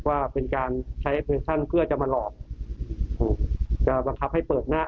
ว่าเป็นการใช้แอปพลิเคชันเพื่อจะมาหลอกถูกจะบังคับให้เปิดหน้า